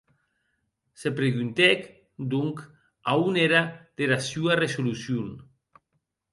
Se preguntèc, donc, a on ère dera sua resolucion.